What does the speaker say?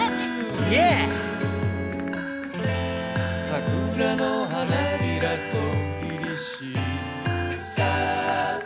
「桜の花びらと凛々しい」